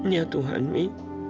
ya tuhan wi